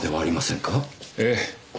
ええ。